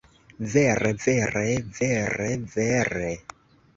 Vere, vere vere vere...